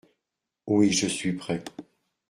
Oui, je suis prêt.